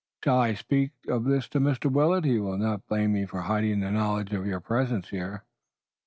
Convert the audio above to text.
Shall I speak of this to Mr. Willet? He will not blame me for hiding the knowledge of your presence here."